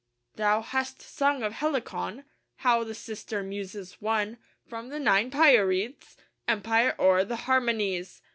II Thou hast sung of Helicon: How the sister Muses won From the nine Pierides Empire o'er the harmonies.